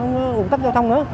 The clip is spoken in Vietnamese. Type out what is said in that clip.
nó không tắt giao thông nữa